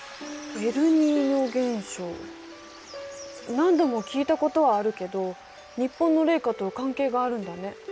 何度も聞いたことはあるけど日本の冷夏と関係があるんだね。